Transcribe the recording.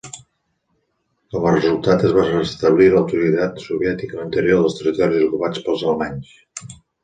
Com a resultat, es va restablir l'autoritat soviètica a l'interior dels territoris ocupats pels alemanys.